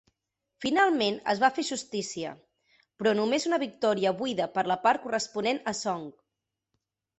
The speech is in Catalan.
Finalment es va fer justícia, però només una victòria buida per la part corresponent a Song.